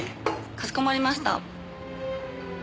かしこまりました。